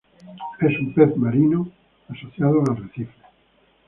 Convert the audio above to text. Es un pez marino, asociado a arrecifes.